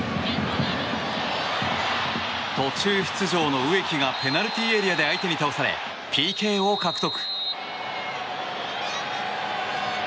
途中出場の植木がペナルティーエリアで相手に倒され、ＰＫを獲得。